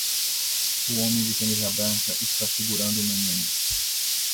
O homem de camisa branca está segurando um menino